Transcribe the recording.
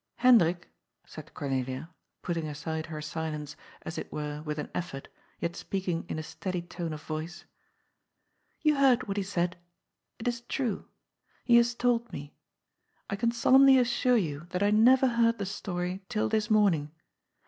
" Hendrik," said Cornelia, putting aside her silence, as it were with an effort, yet speaking in a steady tone of voice. '^ You heard what he said. It is true. He has told me. I can solemnly assure you that I never heard the story till this morning.